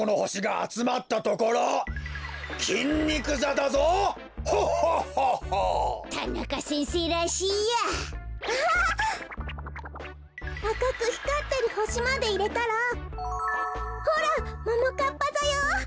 あかくひかってるほしまでいれたらほらももかっぱざよ！